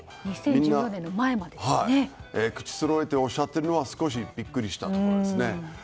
みんな口そろえておっしゃっているのは少しびっくりですね。